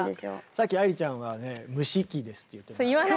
さっき愛理ちゃんは蒸し器ですって言ってました。